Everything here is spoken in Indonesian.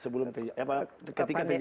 ketika terjadi pandemi